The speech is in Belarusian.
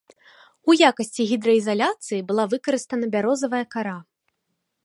У якасці гідраізаляцыі была выкарыстана бярозавая кара.